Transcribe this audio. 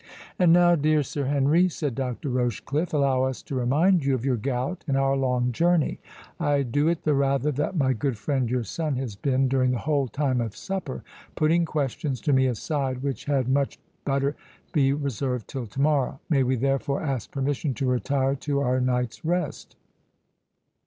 "And now, dear Sir Henry," said Dr. Rochecliffe, "allow us to remind you of your gout, and our long journey. I do it the rather that my good friend your son has been, during the whole time of supper, putting questions to me aside, which had much better be reserved till to morrow—May we therefore ask permission to retire to our night's rest?"